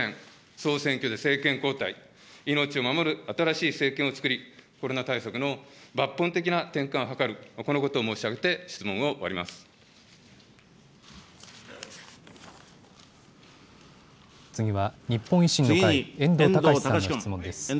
総選挙で政権交代、命を守る新しい政権を作り、コロナ対策の抜本的な転換を図る、このことを申し次は、日本維新の会、遠藤敬さんの質問です。